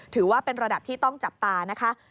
ถือว่าเป็นระดับที่ต้องจับตานะคะ